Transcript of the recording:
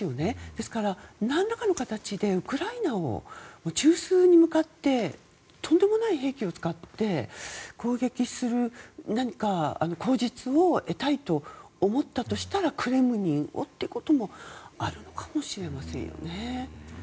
ですから、何らかの形でウクライナの中枢に向かってとんでもない兵器を使って攻撃する口実を得たいと思ったとしたらクレムリンをってこともあるのかもしれませんよね。